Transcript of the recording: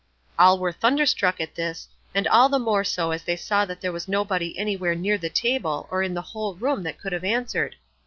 All were thunderstruck at this, and all the more so as they saw that there was nobody anywhere near the table or in the whole room that could have answered.